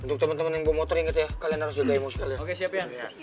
untuk temen temen yang mau motering gitu ya kalian harus juga emosi kalian